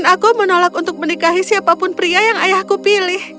aku menolak untuk menikahi siapapun pria yang ayahku pilih